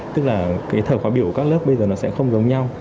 tức là thờ khóa biểu của các lớp bây giờ sẽ không giống nhau